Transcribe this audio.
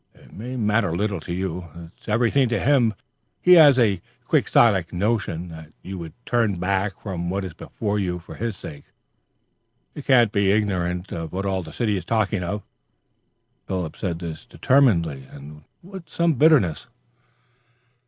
"It may matter little to you. It is everything to him. He has a Quixotic notion that you would turn back from what is before you for his sake. You cannot be ignorant of what all the city is talking of." Philip said this determinedly and with some bitterness.